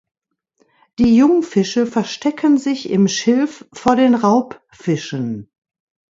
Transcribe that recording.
Die Jungfische verstecken sich im Schilf vor den Raubfischen.